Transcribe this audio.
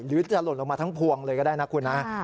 หรือจะหล่นลงมาทั้งพวงเลยก็ได้นะคุณนะ